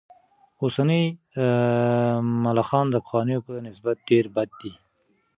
اوسني ملخان د پخوانیو په نسبت ډېر بد دي.